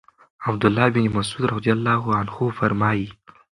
عَبْد الله بن مسعود رضی الله عنه فرمايي: